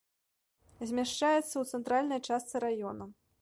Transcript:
Змяшчаецца ў цэнтральнай частцы раёна.